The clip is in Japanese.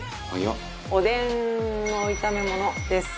おでんの炒め物です。